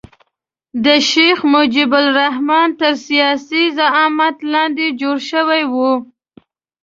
د شیخ مجیب الرحمن تر سیاسي زعامت لاندې جوړ شوی وو.